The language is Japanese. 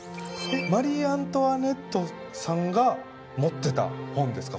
マリー・アントワネットさんが持ってた本ですか？